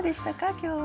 今日は。